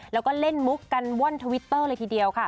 แล้วก็เล่นมุกกันว่อนทวิตเตอร์เลยทีเดียวค่ะ